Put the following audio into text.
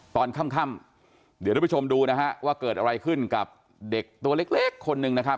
ตอนค่ำเดี๋ยวทุกผู้ชมดูนะฮะว่าเกิดอะไรขึ้นกับเด็กตัวเล็กคนหนึ่งนะครับ